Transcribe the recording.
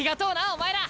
お前ら！